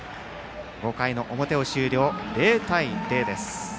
５回の表を終了で０対０です。